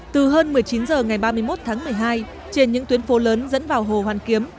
từ hơn một mươi chín h ngày ba mươi một tháng một mươi hai trên những tuyến phố lớn dẫn vào hồ hoàn kiếm